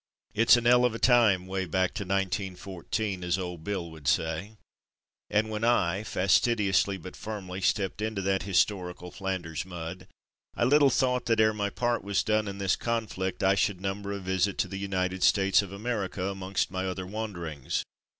''It's an 'ell of a time way back to 1914,'' as Old Bill would say, and when I, fastidi ously but firmly, stepped into that historical Flanders mud, I little thought that, ere my part was done in this conflict, I should num ber a visit to the United States of America 290 Start for America ^gi amongst my other wanderings.